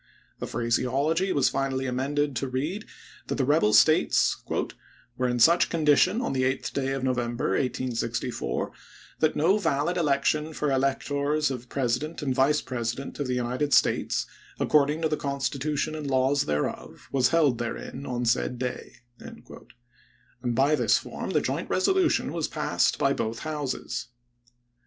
The phras eology was finally amended to read that the rebel States " were in such condition on the 8th day of November, 1864, that no valid election for electors of President and Vice President of the United States, according to the Constitution and laws thereof, was held therein on said day," and in this "Globe," form the joint resolution was passed by both pp. '595, 602! Houses.